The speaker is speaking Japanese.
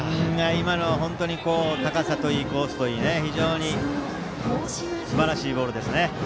今のは本当に高さといいコースといい非常にすばらしいボールですね。